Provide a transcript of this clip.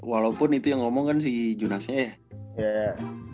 walaupun itu yang ngomong kan si junasnya ya